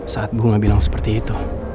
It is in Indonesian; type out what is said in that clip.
saat bunga bilang seperti itu